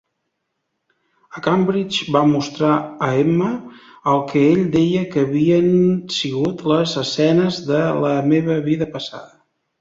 A Cambridge, va mostrar a Emma el que ell deia que havien sigut les "escenes de la meva vida passada".